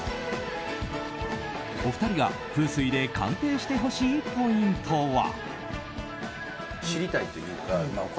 お二人が風水で鑑定してほしいポイントは。